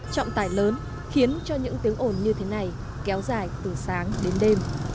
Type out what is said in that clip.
trọng tải lớn khiến cho những tiếng ồn như thế này kéo dài từ sáng đến đêm